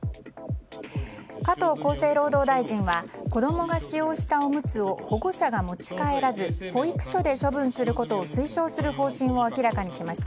加藤厚生労働大臣は子供が使用したおむつを保護者が持ち帰らず保育所で処分することを推奨する方針を明らかにしました。